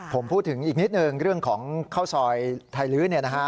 ผมพูดถึงอีกนิดนึงเรื่องของข้าวซอยไทยลื้อเนี่ยนะฮะ